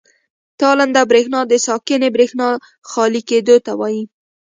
تالنده او برېښنا د ساکنې برېښنا خالي کېدو ته وایي.